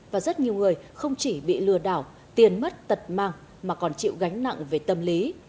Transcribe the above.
và rất nhiều người không chỉ bị lừa đảo tiền mất tật mang mà còn chịu gánh nặng về tâm lý